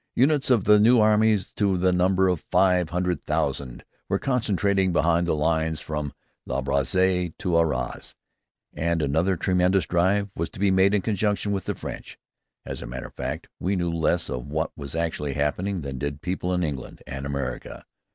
Units of the new armies to the number of five hundred thousand were concentrating behind the line from La Bassée to Arras, and another tremendous drive was to be made in conjunction with the French, (As a matter of fact, we knew less of what was actually happening than did people in England and America.)